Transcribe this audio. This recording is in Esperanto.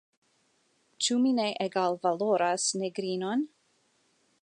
Ĉu mi ne egalvaloras negrinon?